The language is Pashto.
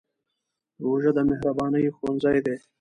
روژه د مهربانۍ ښوونځی دی.